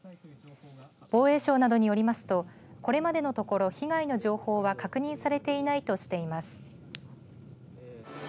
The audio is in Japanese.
防衛省などによりますとこれまでのところ被害の情報は確認されていないとしています。